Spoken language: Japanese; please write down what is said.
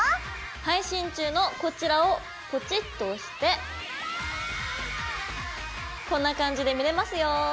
配信中のこちらをポチッと押してこんな感じで見れますよ。